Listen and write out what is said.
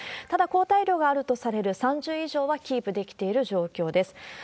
ただ、抗体量があるとされる３０以上はキープできている状況です。